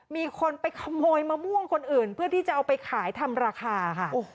มีคนไปขโมยมะม่วงคนอื่นเพื่อที่จะเอาไปขายทำราคาค่ะ